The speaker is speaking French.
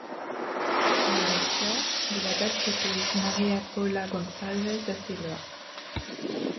Elle est la sœur de la basketteuse Maria Paula Gonçalves da Silva.